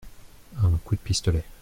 Un coup de pistolet.